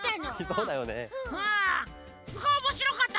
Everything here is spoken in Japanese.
すごいおもしろかった。